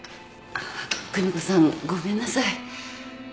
久美子さんごめんなさい。